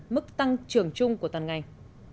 mức tăng trưởng chung của toàn ngành